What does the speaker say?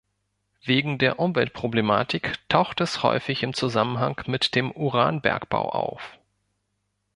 Wegen der Umweltproblematik taucht es häufig im Zusammenhang mit dem Uranbergbau auf.